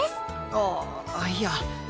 あっいや。